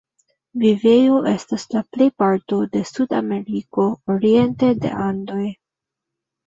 Vivejo estas la plejparto de Sud-Ameriko oriente de Andoj.